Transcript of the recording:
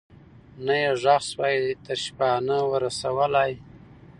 نه یې ږغ سوای تر شپانه ور رسولای